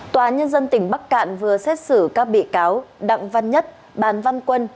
tòa nhân dân tỉnh bắc cạn vừa xét xử các bị cáo đặng văn nhất bàn văn quân